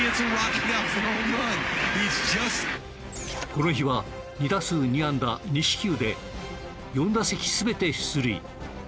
この日は２打数２安打２四球で４打席全て出塁。